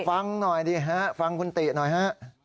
ฟังหน่อยดิฮะฟังคุณติหน่อยฮะ